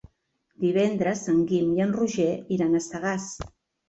Divendres en Guim i en Roger iran a Sagàs.